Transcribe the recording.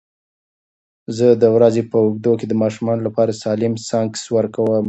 زه د ورځې په اوږدو کې د ماشومانو لپاره سالم سنکس ورکوم.